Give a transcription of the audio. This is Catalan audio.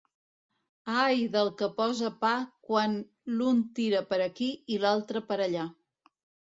Ai, del que posa pa quan l'un tira per aquí i l'altre per allà!